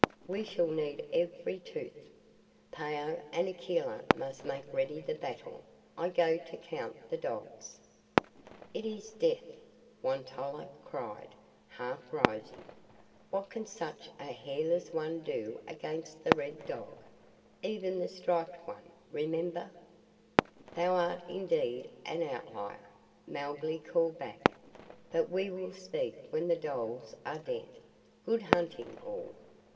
"We shall need every tooth. Phao and Akela must make ready the battle. I go to count the dogs." "It is death!" Won tolla cried, half rising. "What can such a hairless one do against the Red Dog? Even the Striped One, remember " "Thou art indeed an Outlier," Mowgli called back; "but we will speak when the dholes are dead. Good hunting all!"